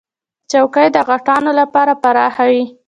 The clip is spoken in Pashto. چوکۍ د غټانو لپاره پراخه وي.